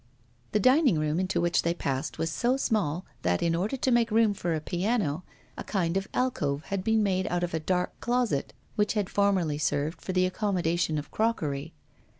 The dining room into which they passed was so small that, in order to make room for a piano, a kind of alcove had been made out of a dark closet which had formerly served for the accommodation of crockery.